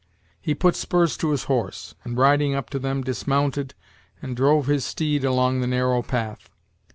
He put spurs to his horse, and riding up to them, dismounted, and drove his steed along the narrow path.